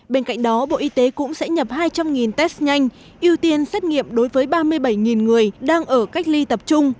bên cạnh đó bộ y tế cũng sẽ nhập hai trăm linh test nhanh ưu tiên xét nghiệm đối với ba mươi bảy người đang ở cách ly tập trung